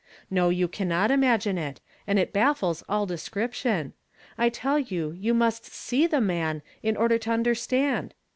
No, you cannot im agine it; and it biiifles all description. I tell yon, you nuist see fn man in order to iniderstand.